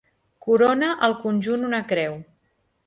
Corona el conjunt una creu.